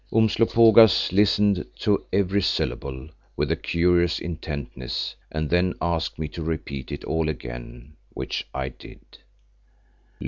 Umslopogaas listened to every syllable with a curious intentness, and then asked me to repeat it all again, which I did.